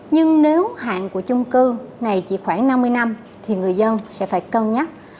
nhưng nếu hạn của chung cư này chỉ khoảng năm mươi năm thì người dân sẽ phải cân nhắc